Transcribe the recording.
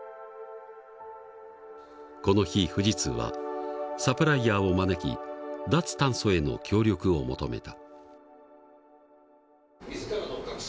この日富士通はサプライヤーを招き脱炭素への協力を求めた。